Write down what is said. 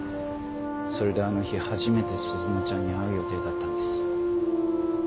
それであの日初めて鈴乃ちゃんに会う予定だったんです。